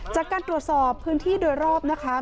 จากการตรวจสอบพื้นที่โดยรอบนะคะ